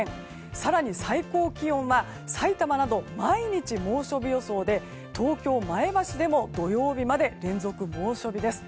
更に最高気温はさいたまなど毎日、猛暑日予想で東京、前橋でも土曜日まで連続猛暑日です。